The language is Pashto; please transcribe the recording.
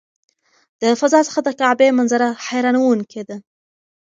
د فضا څخه د کعبې منظره حیرانوونکې ده.